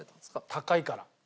高いから。